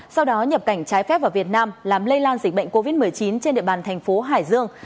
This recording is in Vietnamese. sau đó nhập cảnh trái phép vào việt nam làm lây lan dịch bệnh covid một mươi chín trên địa bàn thành phố hải dương